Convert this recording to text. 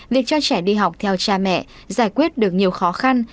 việc cho trẻ đi học theo cha mẹ giải quyết được nhiều khó khăn